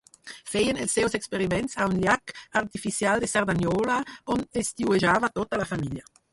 Feien els seus experiments a un llac artificial de Cerdanyola, on estiuejava tota la família.